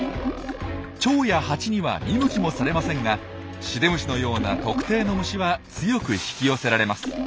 チョウやハチには見向きもされませんがシデムシのような特定の虫は強く引き寄せられます。